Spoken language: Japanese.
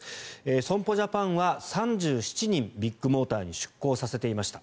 損保ジャパンは３７人、ビッグモーターに出向させていました。